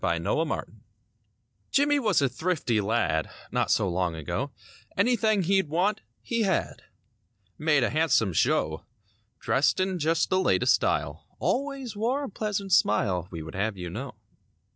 69 'JIMMIE JONES Jimmie was a thrifty lad, Not so long ago; Anything he'd want, he had— Made a handsome show. Dressed in just the latest style; Always wore a pleasant smile. We would have you know.